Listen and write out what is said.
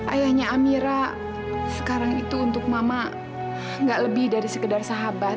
ayahnya amira sekarang itu untuk mama gak lebih dari sekedar sahabat